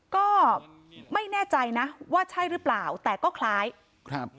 ก็ไม่แน่ใจนะว่าใช่หรือเปล่าแต่ก็คล้ายครับ